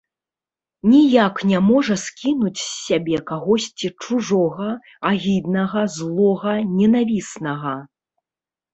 Ніяк не можа скінуць з сябе кагосьці чужога, агіднага, злога, ненавіснага.